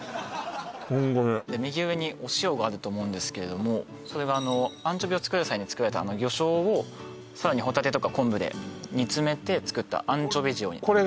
ホントに右上にお塩があると思うんですけれどもそれがアンチョビをつくる際に造られた魚醤をさらにホタテとか昆布で煮詰めて作ったアンチョビ塩になります